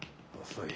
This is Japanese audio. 遅い！